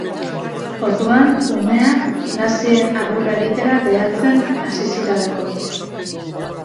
Orduan, umeak nazien agurra egitera behartzen hasi zirelako.